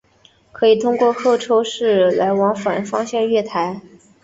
可通过候车室来往反方向月台。